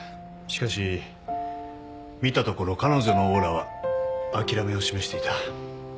しかし見たところ彼女のオーラはあきらめを示していた。